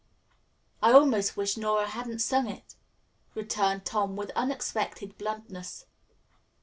"I almost wish Nora hadn't sung it," returned Tom with unexpected bluntness.